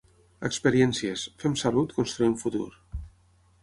Experiències "Fem salut, construïm futur".